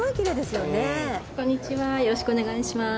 よろしくお願いします